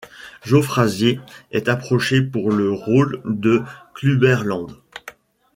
Joe Frazier est approché pour le rôle de Clubber Lang.